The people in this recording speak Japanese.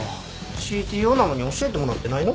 ＣＴＯなのに教えてもらってないの？